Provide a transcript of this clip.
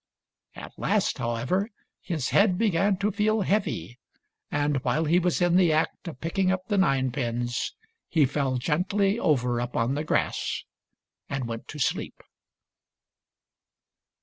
At last, however, his head began to feel heavy ; and while he was in the act of picking up the ninepins, he fell gently over upon the grass and went to sleep.